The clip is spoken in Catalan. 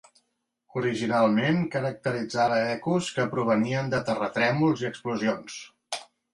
Originalment caracteritzava ecos que provenien de terratrèmols i explosions.